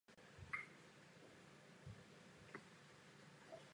Svůj život dožila v klášteře.